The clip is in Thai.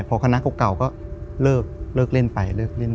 พอคณะเก่าก็เลิกเล่นไป